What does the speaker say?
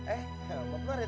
eh pokoknya deh